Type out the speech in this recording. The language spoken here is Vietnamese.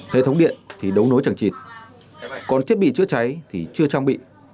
hệ thống điện thì đấu nối chẳng chịt còn thiết bị chữa cháy thì chưa trang bị